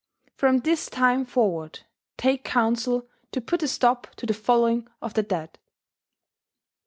From this time forward take counsel to put a stop to the following of the dead."